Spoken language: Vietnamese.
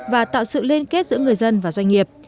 và tạo sự liên kết giữa người dân và doanh nghiệp